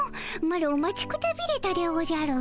マロ待ちくたびれたでおじゃる。